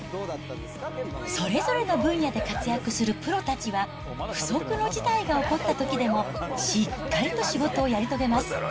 それぞれのぶんやでかつやくするプロたちは、不測の事態が起こったときでも、しっかりと仕事をやり遂げます。